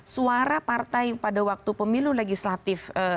suara partai pada waktu pemilu legislatif